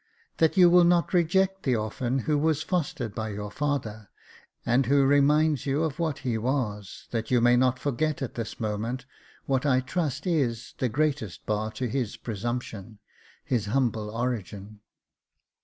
" That you will not reject the orphan who was fostered by your father j and who reminds you of what he was, that you may not forget at this moment what I trust is the greatest bar to his presumption — his humble origin."